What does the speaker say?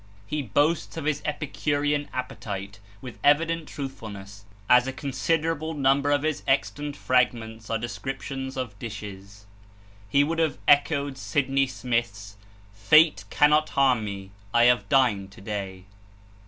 He boasts of his epicurean appetite; with evident truthfulness, as a considerable number of his extant fragments are descriptions of dishes. He would have echoed Sydney Smith's "Fate cannot harm me I have dined to day."